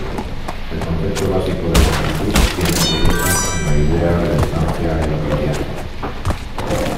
El concepto básico de longitud tiene su origen en la idea de distancia euclidiana.